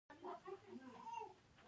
د چاپیریال ساتنه باید زده کړو.